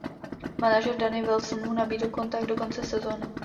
Manažer Danny Wilson mu nabídl kontrakt do konce sezony.